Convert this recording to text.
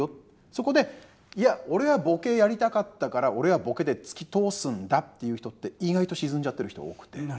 そこで「いや俺はボケやりたかったから俺はボケで突き通すんだ」っていう人って意外と沈んじゃってる人多くて。